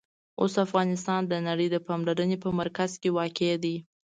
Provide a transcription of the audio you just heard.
اوس افغانستان د نړۍ د پاملرنې په مرکز کې واقع دی.